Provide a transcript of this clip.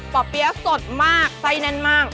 ่อเปี๊ยะสดมากไส้แน่นมาก